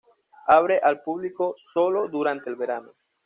Abre al público sólo durante el verano.